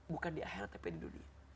bukan di akhirat tapi di dunia